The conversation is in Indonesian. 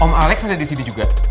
om alex ada disini juga